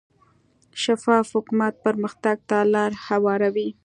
شفاف حکومت پرمختګ ته لار هواروي.